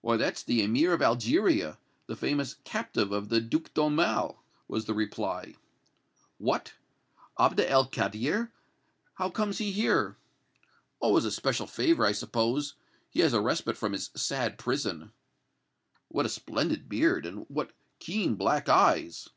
"Why, that's the Emir of Algeria, the famous captive of the Duke d'Aumale," was the reply. "What! Abd el Kader! How comes he here?" "Oh! as a special favor, I suppose; he has a respite from his sad prison." "What a splendid beard, and what keen black eyes!"